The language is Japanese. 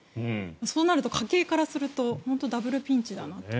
そうなると家計からするとダブルピンチだなと。